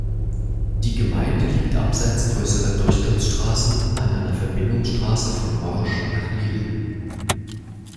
Die Gemeinde liegt abseits grösserer Durchgangsstrassen an einer Verbindungsstrasse von Morges nach L'Isle.